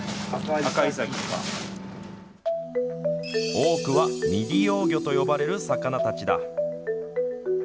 多くは未利用魚と呼ばれる魚たちだ。